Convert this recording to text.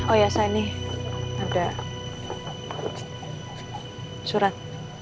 oh ya saini ada surat